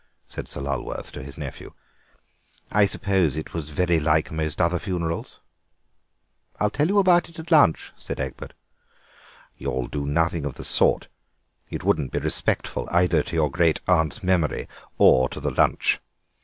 said Sir Lulworth to his nephew; "I suppose it was very like most other funerals?" "I'll tell you all about it at lunch," said Egbert. "You'll do nothing of the sort. It wouldn't be respectful either to your great aunt's memory or to the lunch.